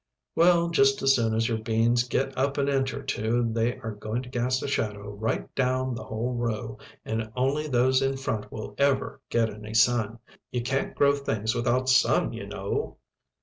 "Well, just as soon as your beans get up an inch or two they are going to cast a shadow right down the whole row and only those in front will ever get any sun. You can't grow things without sun, you know."